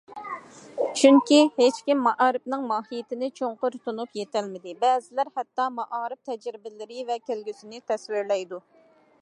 چۈنكى، ھېچكىم مائارىپنىڭ ماھىيىتىنى چوڭقۇر تونۇپ يېتەلمىدى، بەزىلەر ھەتتا مائارىپ تەجرىبىلىرى ۋە كەلگۈسىنى تەسۋىرلەيدۇ.